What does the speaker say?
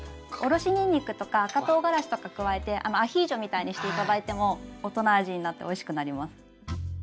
おろしにんにくとか赤とうがらしとか加えてアヒージョみたいにして頂いても大人味になっておいしくなります。